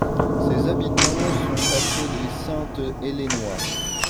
Ses habitants sont appelés les Sainte-Hélénois.